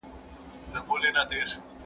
کمپيوټر وايرس پاکوي.